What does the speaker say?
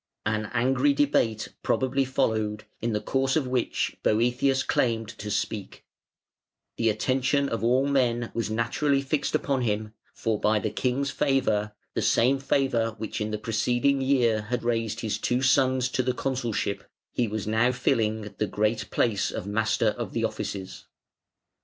An angry debate probably followed, in the course of which Boëthius claimed to speak The attention of all men was naturally fixed upon him, for by the King's favour, the same favour which in the preceding year had raised his two sons to the consulship, he was now filling the great place of Master of the Offices.